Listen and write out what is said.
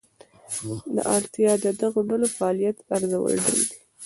دا اړتیا د دغو ډلو فعالیت ارزول دي.